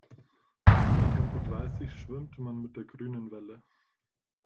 Bei Tempo dreißig schwimmt man mit der grünen Welle.